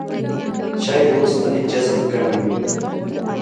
چای د اوسپنې جذب کموي.